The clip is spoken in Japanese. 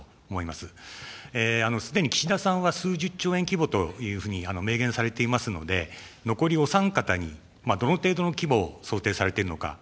すでに岸田さんは数十兆円規模というふうに明言されていますので、残りお三方に、どの程度の規模を想定されているのか。